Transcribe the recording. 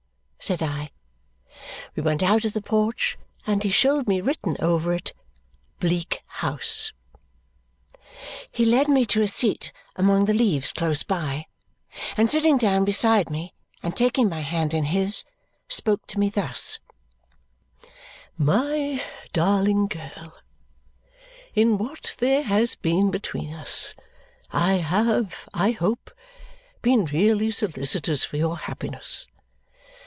said I. We went out of the porch and he showed me written over it, Bleak House. He led me to a seat among the leaves close by, and sitting down beside me and taking my hand in his, spoke to me thus, "My darling girl, in what there has been between us, I have, I hope, been really solicitous for your happiness.